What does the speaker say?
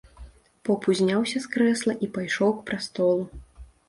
Поп узняўся з крэсла і пайшоў к прастолу.